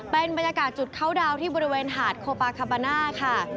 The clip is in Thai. เป็นบรรยากาศจุดเข้าดาวน์ที่บริเวณหาดโคปาคาบาน่าค่ะ